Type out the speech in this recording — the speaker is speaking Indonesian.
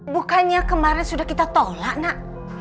bukannya kemarin sudah kita tolak nak